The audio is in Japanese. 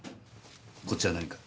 こっちは何か？